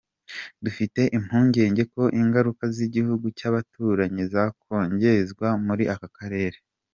Dufite impungenge ko ingaruka z’igihugu cy’abaturanyi zakongezwa muri aka karere.